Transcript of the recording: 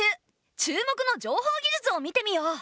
注目の情報技術を見てみよう。